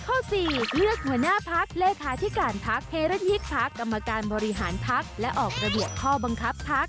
๔เลือกหัวหน้าพักเลขาธิการพักเฮริกพักกรรมการบริหารพักและออกระเบียบข้อบังคับพัก